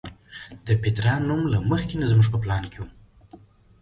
د پیترا نوم له مخکې نه زموږ په پلان کې و.